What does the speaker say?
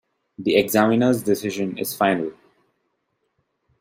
The examiner’s decision is final.